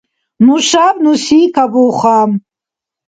Нушаб нуси кабуха.